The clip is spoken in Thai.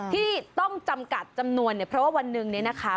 ที่ต้องจำกัดจำนวนเนี่ยเพราะว่าวันหนึ่งเนี่ยนะคะ